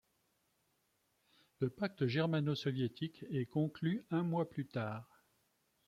Le pacte germano-soviétique est conclu un mois plus tard.